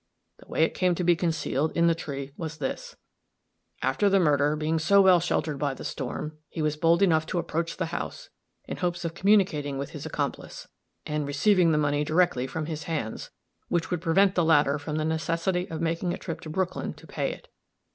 The way it came to be concealed in the tree was this: After the murder, being so well sheltered by the storm, he was bold enough to approach the house, in hopes of communicating with his accomplice, and receiving the money directly from his hands, which would prevent the latter from the necessity of making a trip to Brooklyn to pay it.